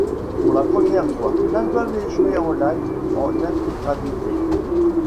Pour la première fois, l'album est joué en live en intégralité.